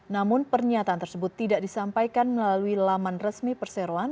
namun pernyataan tersebut tidak disampaikan melalui laman resmi perseroan